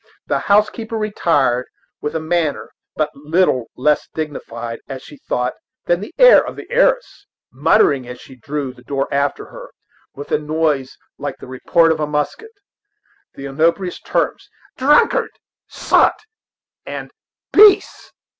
The housekeeper retired, with a manner but little less dignified, as she thought, than the air of the heiress, muttering as she drew the door after her, with a noise like the report of a musket, the opprobrious terms of "drunkard," "sot," and "beast."